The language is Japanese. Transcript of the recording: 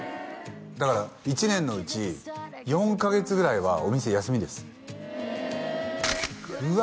だから１年のうち４カ月ぐらいはお店休みですうわ